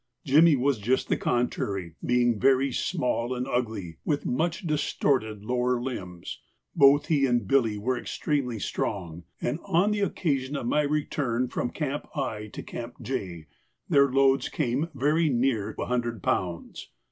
Jimmy was just the contrary, being very small and ugly, with much distorted lower limbs. Both he and Billy were extremely strong, and on the occasion of my return from Camp I to Camp J their loads came very near a hundred pounds.